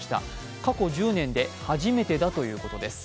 過去１０年で初めてだということです。